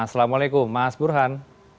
assalamualaikum mas burhan